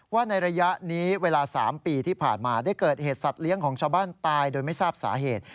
ว่าในระยะนี้เวลา๓ปีที่ผ่านมาได้เกิดเหตุสัตว์เลี้ยงของชาวบ้านตายโดยไม่ทราบสาเหตุ